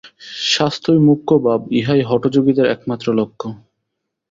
স্বাস্থ্যই মুখ্য ভাব ইহাই হঠযোগীদের একমাত্র লক্ষ্য।